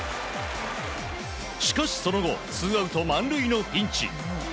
しかし、その後ツーアウト満塁のピンチ。